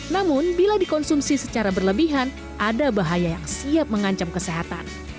namun bila dikonsumsi secara berlebihan ada bahaya yang siap mengancam kesehatan